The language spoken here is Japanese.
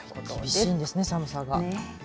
厳しいんですね、寒さが。